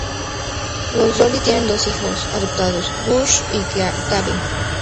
Los Doyle tienen dos hijos adoptados, Gus y Gabe.